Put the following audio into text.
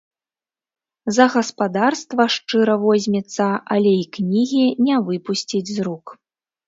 За гаспадарства шчыра возьмецца, але й кнігі не выпусціць з рук.